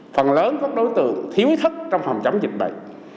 phần lớn các đối tượng thiếu thất trong phòng chấm dịch bệnh